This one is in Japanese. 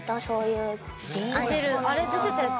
あれ出てたやつ？